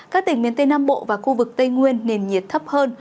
các tỉnh miền tây nam bộ và khu vực tây nguyên nền nhiệt thấp hơn